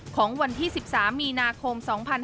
ของวันที่๑๓มีนาคม๒๕๖๒